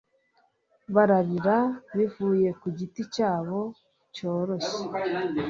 Bararira bivuye ku giti cyabo cyoroshye